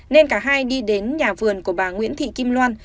nên cả hai đi đến nhà vườn của bà nguyễn thị kim loan